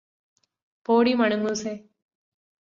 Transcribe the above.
പോടീ മണങ്ങൂസേ